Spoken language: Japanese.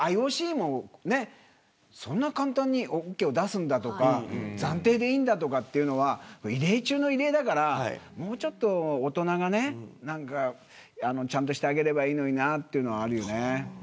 ＩＯＣもそんな簡単にオーケーを出すんだとか暫定でいいんだとかというのは異例中の異例だからもうちょっと大人がちゃんとしてあげればいいのになというのはあるよね。